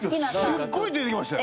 すっごい出てきましたよ